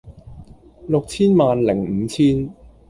六千萬零五千